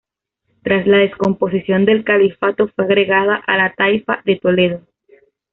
Tras la descomposición del califato fue agregada a la taifa de Toledo.